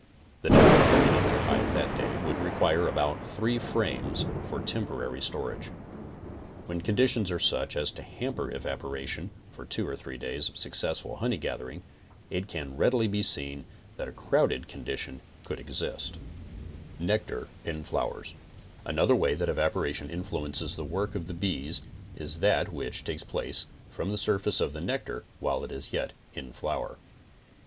The nectar carried into the hive that day would re quire about three frames for temporary storage. When condi tions are such as to hamper evaporation for two or three days of successful honey gathering, it can readily be seen that a crowed condition could exist. fA. C. Miller. 24 CONSTRUCTIVE BEEKEEPING NECTAR IN THE FLOWERS Another way that evaporation influences the work of the bees is that which takes place from the surface of the nectar while it is yet in the flower.